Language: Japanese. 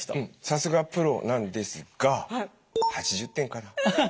さすがプロなんですが８０点かな。